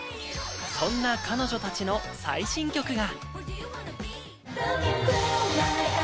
そんな彼女たちの最新曲が。